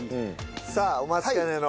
さあお待ちかねの。